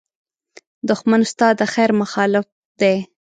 دښمن ستا د خېر مخالف دی